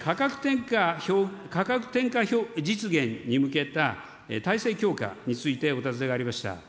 価格転嫁実現に向けた体制強化についてお尋ねがありました。